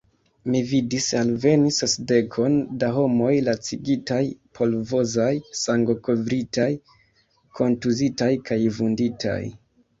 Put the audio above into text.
Mi vidis alveni sesdekon da homoj lacigitaj, polvozaj, sangokovritaj, kontuzitaj kaj vunditaj.